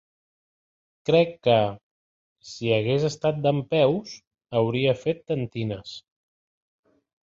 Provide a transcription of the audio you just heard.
Crec que, si hagués estat dempeus, hauria fet tentines.